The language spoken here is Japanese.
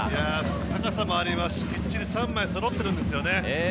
高さもありますし、きっちり３枚、そろってるんですよね。